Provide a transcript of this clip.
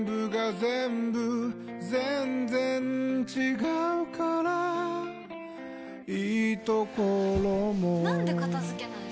全然違うからいいところもなんで片付けないの？